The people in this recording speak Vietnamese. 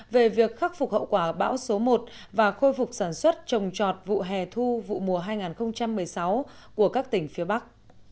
về việc khắc phục hậu quả bão số một và khôi phục sản xuất trồng trọt vụ hè thu vụ mùa hai nghìn một mươi sáu của các tỉnh phía bắc